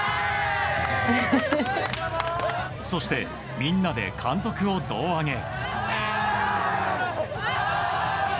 そして、みんなで監督を胴上げ。